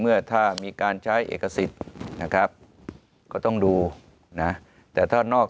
เมื่อถ้ามีการใช้เอกสิทธิ์นะครับก็ต้องดูนะแต่ถ้านอก